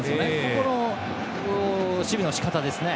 ここの守備のしかたですね。